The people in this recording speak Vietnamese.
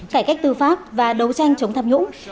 cải cách tư pháp và đấu tranh chống tham nhũng